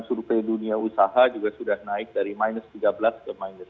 survei dunia usaha juga sudah naik dari minus tiga belas ke minus tiga